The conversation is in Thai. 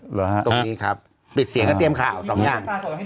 ตรงนี้ครับปิดเสียงก็เตรียมข่าวสองอย่าง